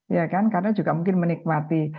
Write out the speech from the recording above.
ya kan karena juga mungkin menikmati